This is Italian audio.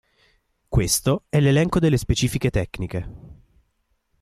Questo è l'elenco delle specifiche tecniche.